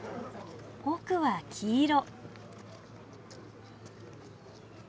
奥は黄色。